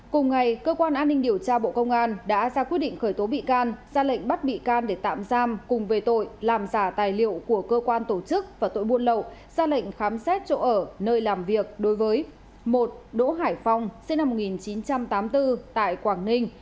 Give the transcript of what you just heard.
cùng ngày cơ quan an ninh điều tra bộ công an đã ra quyết định khởi tố bị can ra lệnh bắt bị can để tạm giam cùng về tội làm giả tài liệu của cơ quan tổ chức và tội buôn lậu ra lệnh khám xét chỗ ở nơi làm việc đối với một đỗ hải phong sinh năm một nghìn chín trăm tám mươi bốn tại quảng ninh